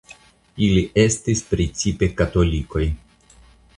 Ili estis precipe katolikoj.